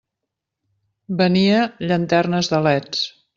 Venia llanternes de leds.